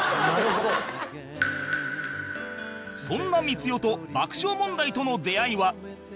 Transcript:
そんな光代と爆笑問題との出会いは